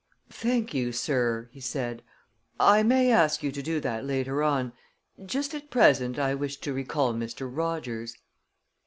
"Thank you, sir," he said. "I may ask you to do that later on. Just at present, I wish to recall Mr. Rogers."